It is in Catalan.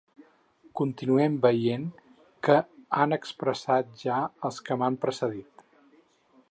Continuem veient què han expressat ja els que m’han precedit.